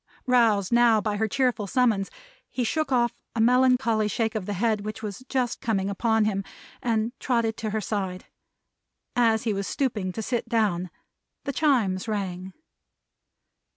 Roused, now, by her cheerful summons, he shook off a melancholy shake of the head which was just coming upon him, and trotted to her side. As he was stooping to sit down, the Chimes rang.